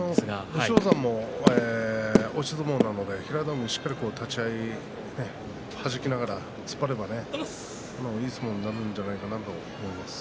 武将山も押し相撲なので平戸海はしっかり立ち合いはじきながら突っ張ればいい相撲になるんじゃないかと思います。